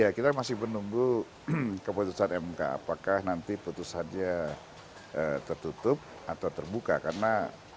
ya kita masih menunggu keputusan mk apakah nanti putusannya tertutup atau terbuka karena